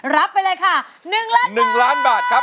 รับไปเลยค่ะหนึ่งล้านเงิน